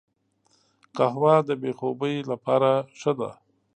قهوه د بې خوبي لپاره ښه ده